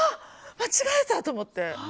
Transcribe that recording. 間違えた！と思って。